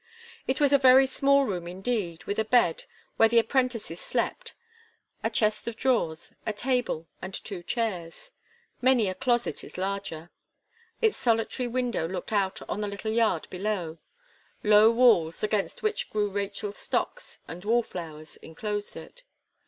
It was a very small room indeed, with a bed, where the apprentices slept; a chest of drawers, a table, and two chairs: many a closet is larger. Its solitary window looked out on the little yard below; low walls, against which grew Rachel's stocks and wall flowers, enclosed it.